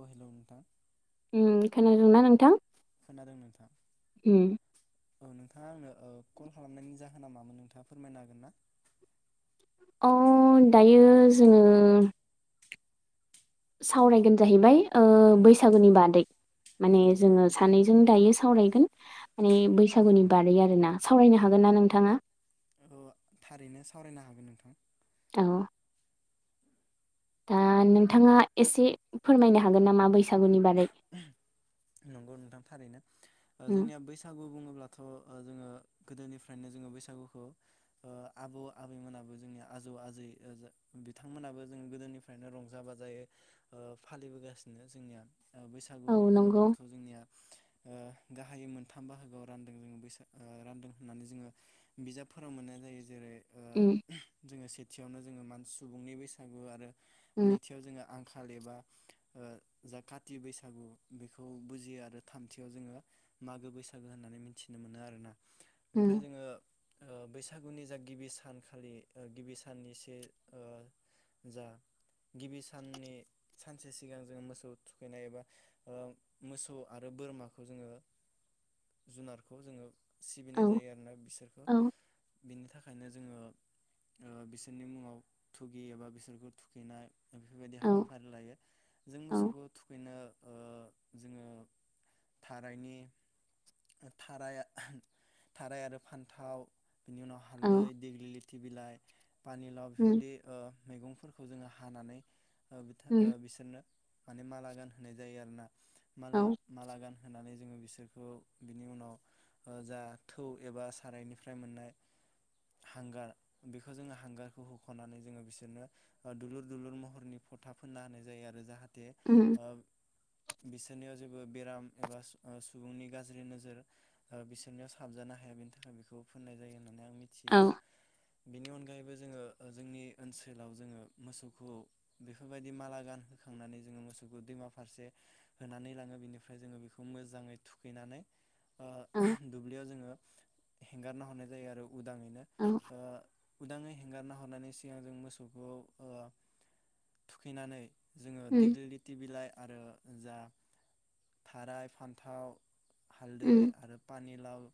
अ hello नोंथां। ओम खोनादोंना नोंथां? खोनादों नोंथां। उम औ नोंथाङा आंनो कल खालामनायनि जाहोना मामोन नोंथाङा फोरमायनो हागोन ना? अ दायो जोङो सावरायगोन जाहैबाय। ओ औ औ बैसागुनि बादै माने नंगौ जोङो नंगौ सानैजों दायो सावराय गोन माने बैसागुनि बारै आरोना। सावरायनो हागोन ना नोंथाङा? औ थारैनो सावरायनो हागोन नोंथां। औ। दा नोंथाङा एसे फोरमायनो हागोन नामा बैसा सागुनि बारै। नंगौ नोंथां थारैनो ओ उम जोंनिया बैसा‌ गु बुङोब्लाथ' ओ जोङो गोदोनिफ्रायनो जोङो बैसागुखौ ओ आबौ - आबैमोनाबो जोंनि आजौ - आजै बिथांमोनाबो जों गोदोनिफ्रायनो रंजा - बाजायै ओ फालिबोगासिनो जोंनिया। औ बैसागु औ नंगौ होनोब्ला जोंनिया ओ गाहायै मोनथाम बाहागोआव रानदों जोङो बैसाग रानदों होननानै जोङो बिजाबफोराव मोननाय जायो। जेरै ओ उम जोङो सेथियावनो जोङो मान सुबुंनि बैसागु आरो उम नैथियाव जोङो आं खालिबा ओ जा काति बैसागु बे खौ बुजियो आरो थामथियाव जोङो मागो बैसागो होननानै मिथिनो मोनो आरो ना। उम ओमफ्राय जोङो ओ बैसागुनि जा गिबि सानखालि ओ गिबि साननि से ओ जा गिबि साननि सानसे सिगां जों मोसौ थुखैनाय एबा ओ मोसौ आरो बोरमाखौ जोङो जुनारखौ जोङो औ सिबिनाय जायो आरोना बिसोरखौ। औ बिनि थाखायनो जोङो ओ बिसोरनि मुङाव थुगि एबा बिसोरखौ थुखैनाय बेफोरबायदि औ हाबाफारि लायो जों औ मोसौखौ थुखैनो ओ जोङो थारायनि थाराया थाराय आरो फान्थाव बिनि उनाव हालदै औ देग्लि थि बिलाइ पानिलाव उम बेफोरबादि ओ मैगंफोरखौ जोङो हानानै उम [unintelligible] बिसोरनो माने माला गानहोननाय जायो आरो ना। माने औ मालागानहोनानै जोङो बिसोरखौ बिनि उनाव ओ जा थौ एबा सारायनिफ्राय मोननाय हांगार बेखौ जोङो हांगारखौ होख'नानै जोङो बिसोरनो दुलुर दुलुर महरनि फथा फोनना होनाय जायो आरो जाहा उम [unintelligible] बिसोरनियाव जेबो बेराम एबा सुबुंनि गाज्रि नोजोर ओ बिसोरनियाव साबजानो हाया बेनि थाखाय बेखौ फोननाय जायो नो होननानै आं औ मिथिहबोदों बेनि अनगायैबो जोङो जोंनि ओनसोलाव जोङो मोसौखौ बेफोरबायदि माला गान होखांनानै जोङो मोसौखौ दैमा फारसे होनानै लाङो बेनिफ्राय जोङो बेखौ मोजाङै थुखैनानै ओ औ दुब्लियाव जोङो हेंगारना हरनाय जायो आरो उदाङैनो औ ओ उदाङै एङगारना हरनायनि सिगां जों मोसौखौ ओ थुखैनानै जोङो उम दिग्लि लिथि बिलाइ आरो जा थाराय फान्थाव हालदै उम आरो पानि लाव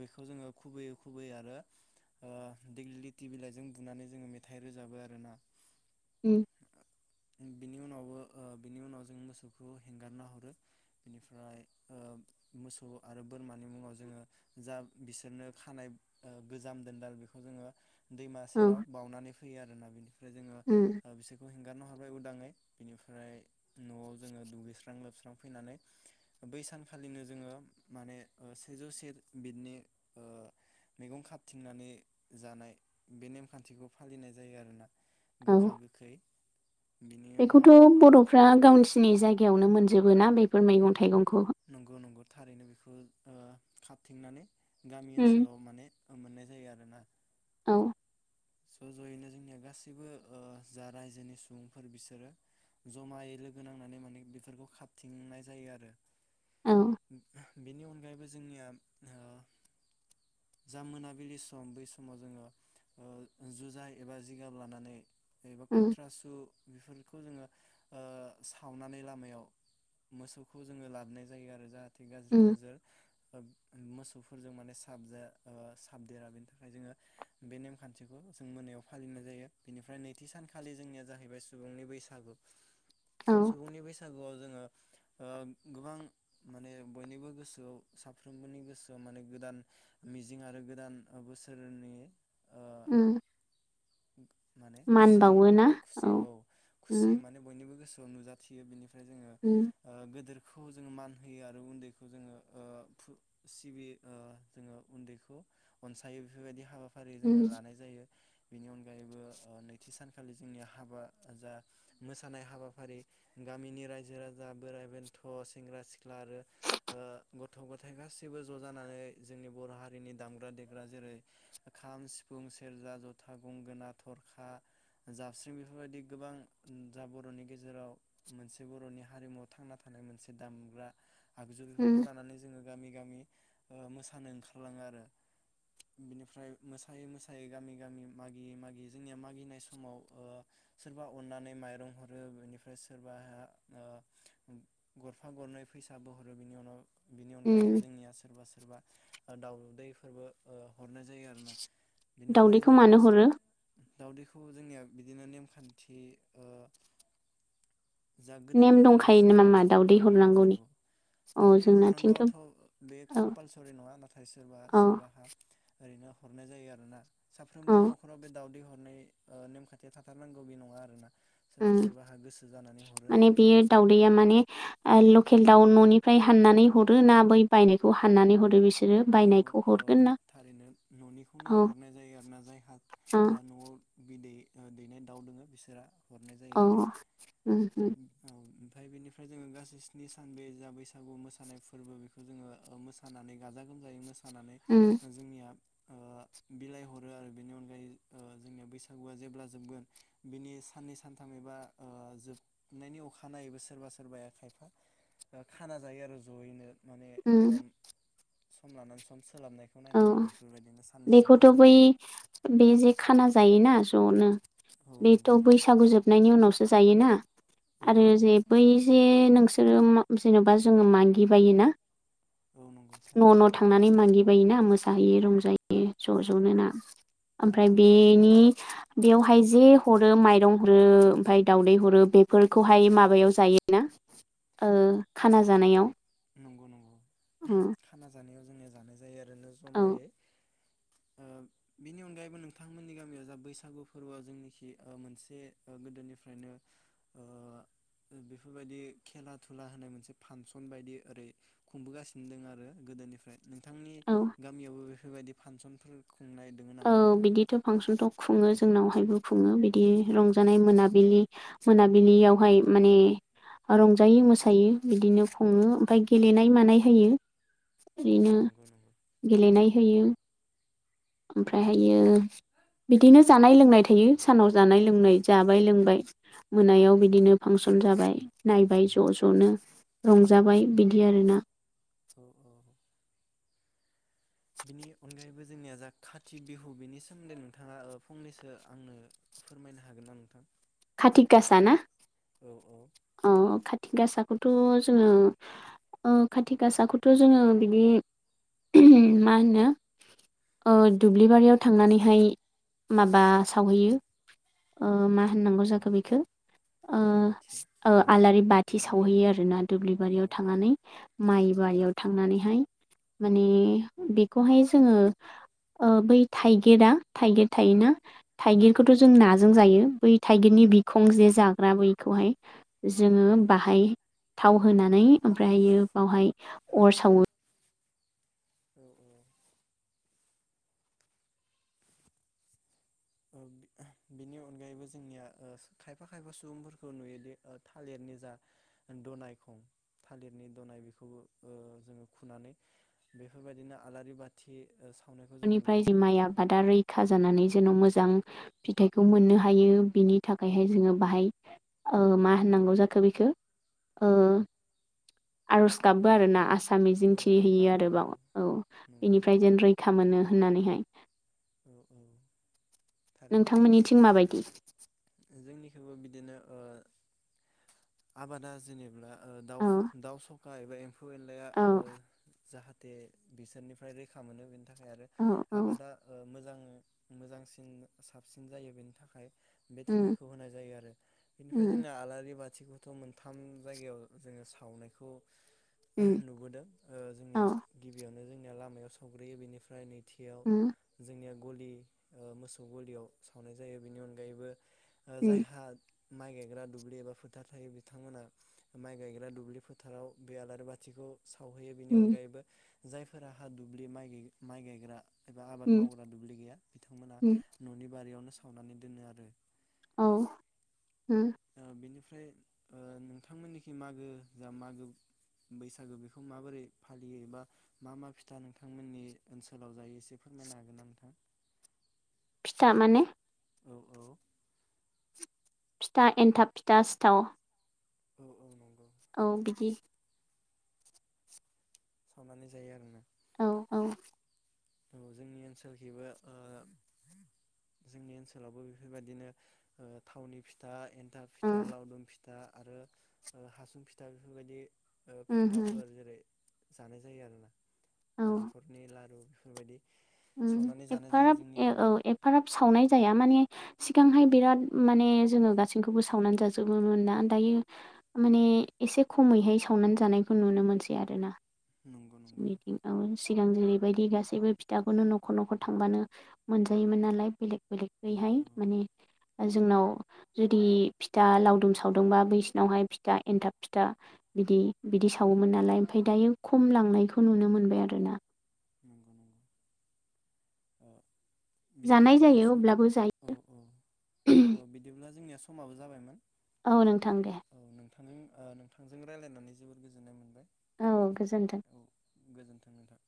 बेखौ जोङो खुबैयै खुबैयै आरो ओ दिग्लि लावथि बिलाइजों बुनानै जोङो मेथाइ रोजाबो आरोना ओम बिनि उनावबो ओ बिनि उनाव जों मोसौ खौ हेंगारना हरो बेनिफ्राय ओ मोसौ आरो बोरमानि मुङाव जोङो जा बिसोरनो खानाय गोजाम दोनदाल बेखौ जोङो दैमा औ सेराव बावनानै फैयो आरोना बिनिफ्राय जोङो उम ओ बिसोरखौ हें हगारना हरबाय उदाङै बिनिफ्राय न'आव जोङो दुगैस्रां लोबस्रां फैनानै बै सानखालिनो जोङो माने सेजौसे बिदनि ओ मैगं खांथिंनानै जानाय बे नेमखान्थिखौ फालिनाय जायो आरोना औ गोखा गोखै बिनि उनाव बेखौथ' बर'फ्रा गावसि नि जायगायावनो मोनजोबोना बेफोर मैगं थाइगं नंगौ नंगौ थारैनो बेखौ ओ खांथिंनानै गामि उम ओनसोलाव माने मोननाय जायो आरोना औ ज' ज'यैनो जोंनिया गासैबो जा रायजोनि सुबुंफोर बिसोरो जमायै लोगो नांनानै माने बेफोरखौ खाबथिंनाय जायो आरो। औ [inaudible] बेनि अनगायैबो जोंनिया ओ जा मोनाबिलि सम बै समाव जोङो। जुजाय एबा जिगाब लानानै एबा उम खुथ्रासु बेफोरखौ जोङो सावनानै लामायाव मोसौखौ जोङो लाबोनाय जायो आरो जाहाथे गाज्रि उम नोजोर मोसौफोरजों माने साबदेरा बेनि थाखाय जोङो बे नेमखान्थि खाथिखौ जों मोनायाव फालिनाय जायो बेनिफ्राय नैथि सानखालि जोंनिया जाहैबाय सुबुंनि बैसागु औ सुबुंनि बैसागुआव जोङो गोबां माने बयनिबो गोसोआव साफ्रोमबोनि गोसोआव माने गोदान मिजिं आरो गोदान बोसोरनि ओ उम माने मान खुसि बावो ना खुसि औ खुसियै उम माने बयनिबो गोसो नुजथियो बेनि जोंङो उम गेदोर खौ जोङो मान होयो आरो उन्दैखौ जोङो सिबियो जोङो उन्दैखौ अनसायो बेफोरबायदि हाबा ओरै जों उम लानाय जायो। बिनि अनगायैबो नैथि सानखालि जोंनि हाबा जा मोसानाय हाबाफारि गामिनि रायजो राजा बोराइ बेन्थ' सेंग्रा सिख्ला आरो गथ' गथाय गासैबो ज' जानानै जोंनि बर' हारिनि दामग्रा देग्रा जेरै खाम सिफुं सेरजा जथा गंगोना थरखा जाबस्रिं बेफोरबायदि गोबां जा बर'नि गेजेराव मोनसे बर'नि हारिमुवआव थांना थानाय मोनसे दामग्रा आगजु बेफोरखौ उम लानानै जोङो गामि गामि मोसानो ओंखारलाङो आरो बिनिफ्राय मोसायै मोसायै गामि गामि मागियै मागियै जोंनिया मागिनाय समाव सोरबा अननानै माइरं हरो बेनिफ्राय सोरबा गरफा गरनै फैसाबो हरो बिनि उनाव बेनि उम अनगायैबो जोंनिया सोरबा सोरबा सोरबा दाउदैफोरबो हरनाय जायो आरो ना? दाउदैखौ मानो हरो? दाावदैखौ जोंनिया बिदिनो नेमखान्थि ओ जा नेम गोदोनिफ्रायनो दंखायो सोलिबोन नामा औ दाउदै नंगौ हरनांगौनि नंगौ अ दावदै जोंनाथिंथ' हरनांगौआथ' बे औ कम्पालसरि नङा नाथाय सोरबा अ सोरबाहा ओरैनो हरनाय जायो आरो ना साफ्रोमबोनि अ न'खराव बे दावदै हर बे नेमखथिया थाथारनांगौ बे नङा आरो ना? माने बेयो दावदैया माने लकेल दाउ न'निफ्राय हाननानै हरो ना बै बायनायखौ हाननानै हरो बिसोर नंगौ थारैनो न'निखौनो औ हरनाय जायो आरोना जायहा अ न'आव बिदै दैनाय दाउ दोङो बिसोरा हरनाय जायो अ आरो। उम उम ओमफ्राय बेनिफ्राय जोङो गासै स्नि सान बे जा बैसागु मोसानाय फोरबो बेखौ जोङो मोसानानै गाजा जानानै उम जोंनिया बिलाइ हरो आरो बेनि अनगायै जोंनिया बैसागुआ जेब्ला जोबगोन बिनि साननै सानथाम एबा जोबनायनि अखानायैबो सोरबा सोरबाया खायफा खाना जायो आरो जयैनो माने औ उम सम लानानै सम स औ बेखौथ' सानथाम बै उनाव बे जे खाना जायोना ज' नो औ बेथ' नंगौ नंगौ बैसागु जोबनायनि उनावसो जायोना औ आरो नंगौ जे बै जे नों नोंसोरो म जेन'बा जोंङो मागि बायो ना औ नंगौ थारै न' न' थांनानै मागि योना मोसाहैयो रंजायो ज' ज'नो ना औ ओमफ्राय औ बेनि बेयाव ओमफाय जे हरो माइरं हरो ओमफाय दावदै हरो बेफोरखौहाय माबायाव जायोना ओ खाना जानायाव नंगौ नंगौ औ खाना जानाय [unintelligible] यो आरोना औ जमायै बिनि अनगायैबो नोंथांमोननि गामियाव जा बैसागु फोरबोआ जोंनिखि मोनसे गोदोनिफ्रायनो ओ बेफोरबायदि खेला थुला होनाय मोनसे फांसन बायदि ओरै खुंबोगासिनो दं आरो गोदोनिफ्राय नोंथांनि औ गामियाबो बेफो बेफोरबायदि फांसनफोरखौ औ बिदिथ' फांसन थ' खुंङो जों जोंनावहायबो खुंङो बिदि रंजानाय मोनाबिलि मोनाबिलियावहाय माने रंजायो औ औ मोसायो बिदिनो खुंङो ओमफाय गेलेनाय मानाय होयो ओरैनो नंगौ नंगौ गेलेनाय होयो ओमफ्रायहायो बिदिनो जानाय लोंनाय थायो सानाव जानाय लोंनाय जाबाय लोंबाय मोनायाव बिदिनो फांसन जाबाय नायबाय ज' ज'नो रंजाबाय बिदि आरोना औ औ बिनि अनगायैबो जोंनिया जा खाथि बिहु बेनि सोमोन्दै नोंथांङा फंनैसो आंनो फोरमायनो हागोन ना नोंथां? खाथि गासाना? औ औ अ खाथि गासा खौथ' जोंङो ओ खाथि गासाखौथ' जोंङो उम बिदि उमह मा होनो ओ दुब्लिबारियाव थांनानैहाय माबा सावहैयो ओ मा होनाननांगौ जाखो बेखौ आलारि बाथि ओ आलारि बाथि नंगौना सावहैयो आरोना दुब्लि औ बारियाव औ थांनानै माइ गुवारियाव थांनानैहाय माने बेखौहाय जोंङो ओ बै थाइगिरा थाइगिर थायोना नंगौ थाइगिरखौथ' जों नंगौ नाजों जायो बै थाइगिरनि बिखं जे जाग्रा बैखौहाय नंगौ जोङो नंगौ बाहाय थाव होनानै ओमफ्रायहायो बावहाय अर सावो। औ औ बिनि अनगायैबो जोंनिया खायफा खायफा सुबुंफोरखौ नुयोदि थालिरनि जा दनाय खं थालिरनि दनाय बेखौबो जोङो खुनानै बेफोरबायदिनो आलारि बाथि ओ सावनायखौ जों बिफोरनिफ्राय नुदों जि माइ आरोना आबादा रैखा जानानै जेन' मोजां फिथाइखौ मोननो हायो बिनि थाखाय जोङो बाहाय मा होननांगौ जाखो बेखौ आरज औ गाबो आरो ना आसा मिजिं औ थि औ हैयो नंगौ आरो बाव नंगौ औ नंगौ बेनिफ्राय जेन रै खा मोनो होननानैहाय। औ औ नोंथांमोननिथिं माबायदि? जोंनिखैबो बिदिनो आबादा जेनेब्ला दाउ औ दाउ सखा एबा एम फौ एनलाया औ जाहाथे जे बिसोरनिफ्राय रैखा मोनो बेनि थाख खाय आरो औ औ आबादा मोजां मोजांसिन साबसिन जायो बेनि थाखाय बे उम थुगिखौ होनाय जायो आरो बेनिफ्राय उम जोंना आलारि बा थि खौथ' मोनथाम जायगायाव जोङो सावनायखौ उम नुबोदों औ जोंनिया गिबियावनो जों लामायाव सावग्रोयो बेनिफ्रायै खाथियाव उम जोंनिया गलि मोसौ गलियाव सावनाय जायो बेनि अनगायैबो उम जायहा माइ गायग्रा दुब्लि एबा फोथार थायो बिथांमोना माइ गायग्रा दुब्लि फोथाराव बे आलारि बाथिखौ सावहैयो बेनि उम अनगायैबो जायफोरा हा दुब्लि माइ गायग्रा एबा आबाद उम मावग्रा दुब्लि गैया बिथांमोना उम न'नि बारियावनो सावनानै दोनो आरो। औ ओम फ्राय नोंथांमोननिखि मागो जा मागो बैसागो बेखौ माबोरै फालियो बा मा मा फिथा नोंथांमोननि ओनसोलाव जायो एसे फोरमायनो हागोन ना नोंथाङा? फिथा माने औ औ फिथा एन्थाब फिथा सिथाव औ औ नंगौ। औ बिदि सावनानै जायो आरो ना। औ औ। औ जोंनि ओनसोलखैबो जोंनि ओनसोलावबो बेफोरबायदिनो थावनि फिथा, एनथाब फिथा, लावदुम फिथा दा आरो हासुं फिथा बेफोरबायदि उम उम फिथाफोर जेरै जानाय जायो आरो ना। औ नालेंखलनि लारु बेबायदि उम एफाराब औ एफाराब सावनाय जाया माने सिगांहाय बिराद माने जोङो गासैखौबो सावनानै जाजोबोमोन ना दायो माने एसे खमैहाय सावनानै जानायखौ नुनो मोनसै आरोना। नंगौ नंगौ जोंनिथिं औ सिगां जेरैबायदि गासैबो फिथाखौनो न'खर न'खर थांबानो मोनजायोमोन नालाय बेलेग औ औ बेलेखैहाय माने जोंनाव जुदि फिथा लावदुम सावदोंबा बैसिनावहाय फिथा एन्थाब फिथा बिदि बिदि सावोमोन नालाय ओमफ्राय दायो खम लांनायखौ नुनो मोनबाय आरोना। [inaudible] बिदिब्ला जानाय जोंनिया जायो सम अब्लाबो जायो उम उम उम बिदिब्ला जोंनिया समाबो जाबायमोन। औ नोंथां दे। नों नोंथांजों रायज्लायनानै जोबोर गोजोननाय मोनबाय। औ गोजोन्थों। औ गोजोनथों नोंथां।